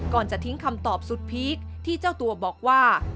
จะทิ้งคำตอบสุดพีคที่เจ้าตัวบอกว่า